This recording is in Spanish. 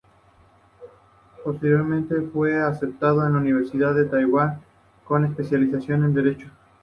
Posteriormente, fue aceptado en la Universidad de Taiwán, con especialización en derecho.